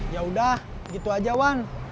ya udah gitu aja wan